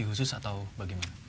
khusus atau bagaimana